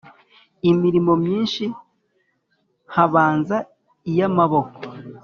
imirimo myinshi Habanza iyi yamaboko